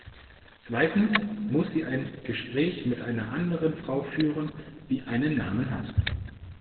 Zweitens muss sie ein Gespräch mit einer anderen Frau führen, die einen Namen hat.